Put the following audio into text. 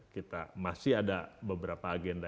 kita masih ada beberapa agenda